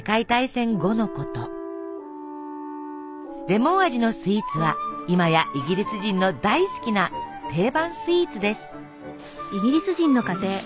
レモン味のスイーツは今やイギリス人の大好きな定番スイーツです。